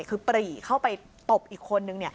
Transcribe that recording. คือปรีเข้าไปตบอีกคนนึง